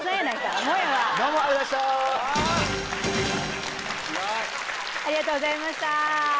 すごい！ありがとうございました。